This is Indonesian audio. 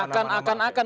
ya akan akan akan